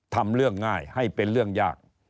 ทำเรื่องง่ายให้เป็นเรื่องยาก